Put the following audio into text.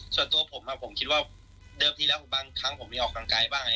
ข้อตัวผมน่ะผมคิดว่าเดิมทีแล้วบางครั้งผมมีออกร่างไกลบ้าง